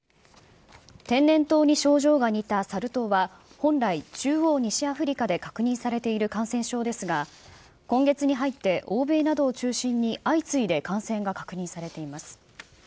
天然痘に症状が似たサル痘は、本来、中央・西アフリカで確認されている感染症ですが、今月に入って、欧米などを中心に相次いで感染が確認されています。